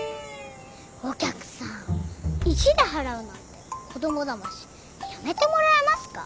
お客さん石で払うなんて子供だましやめてもらえますか？